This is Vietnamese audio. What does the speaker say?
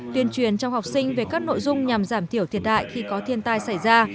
tuyên truyền cho học sinh về các nội dung nhằm giảm thiểu thiệt hại khi có thiên tai xảy ra